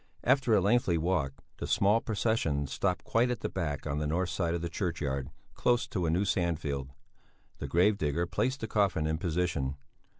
After a lengthy walk, the small procession stopped quite at the back on the north side of the churchyard, close to a new sandfield. The gravedigger placed the coffin in position.